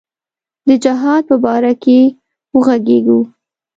د جهاد په باره کې وږغیږو.